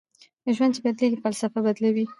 ژوند چې بدلېږي فلسفه بدلوي